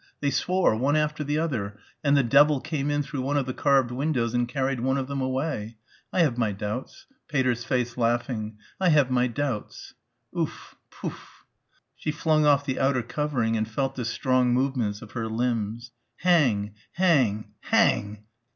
They swore one after the other and the devil came in through one of the carved windows and carried one of them away.... I have my doubts ... Pater's face laughing I have my doubts, ooof P ooof. She flung off the outer covering and felt the strong movements of her limbs. Hang! Hang! _Hang!